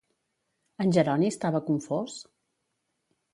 En Jeroni estava confós?